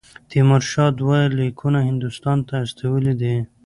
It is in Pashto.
تیمورشاه دوه لیکونه هندوستان ته استولي دي.